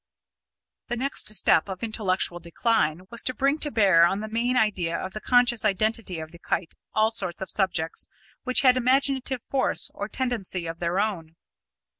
The next step of intellectual decline was to bring to bear on the main idea of the conscious identity of the kite all sorts of subjects which had imaginative force or tendency of their own.